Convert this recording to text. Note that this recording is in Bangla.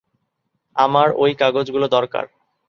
আমার ওই কাগজপত্রগুলো দরকার।